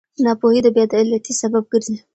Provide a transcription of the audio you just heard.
ناپوهي د بېعدالتۍ سبب ګرځي.